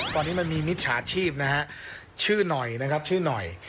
ตอนนี้มันมีมิจฉาชีพนะฮะชื่อหน่อยนะครับชื่อหน่อย